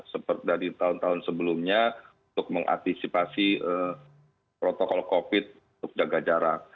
seperti dari tahun tahun sebelumnya untuk mengantisipasi protokol covid untuk jaga jarak